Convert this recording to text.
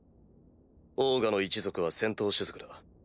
オーガの一族は戦闘種族だ。